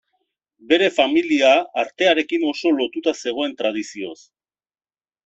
Bere familia artearekin oso lotuta zegoen tradizioz.